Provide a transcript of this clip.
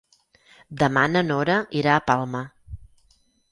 Demà na Nora irà a Palma.